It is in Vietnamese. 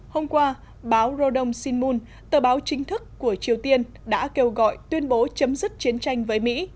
hôm qua báo rodong shinmun tờ báo chính thức của triều tiên đã kêu gọi tuyên bố chấm dứt chiến tranh với mỹ